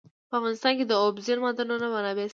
په افغانستان کې د اوبزین معدنونه منابع شته.